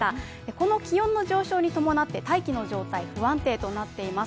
この気温の上昇に伴って大気の状態、不安定となっています